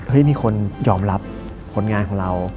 ให้มีคนยอมรับผลงานของเรา